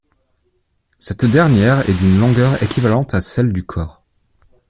Cette dernière est d'une longueur équivalente à celle du corps.